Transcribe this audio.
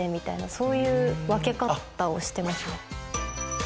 そういう分け方をしてます。